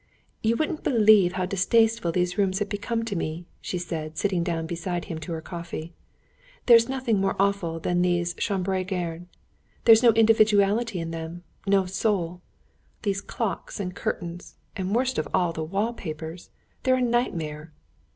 "You wouldn't believe how distasteful these rooms have become to me," she said, sitting down beside him to her coffee. "There's nothing more awful than these chambres garnies. There's no individuality in them, no soul. These clocks, and curtains, and, worst of all, the wallpapers—they're a nightmare.